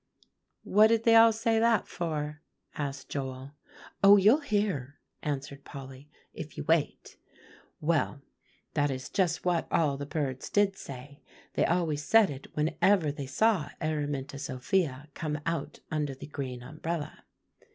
'" "What did they all say that for?" asked Joel. "Oh! you'll hear," answered Polly, "if you wait. Well, that is just what all the birds did say; they always said it whenever they saw Araminta Sophia come out under the green umbrella.